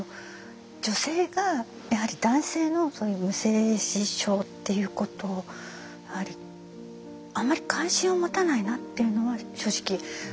女性がやはり男性のそういう無精子症っていうことあまり関心を持たないなっていうのは正直あったんです。